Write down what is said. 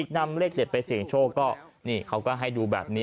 นำเลขเด็ดไปเสี่ยงโชคก็นี่เขาก็ให้ดูแบบนี้